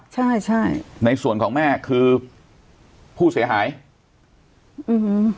ใช่ใช่ในส่วนของแม่คือผู้เสียหายอืม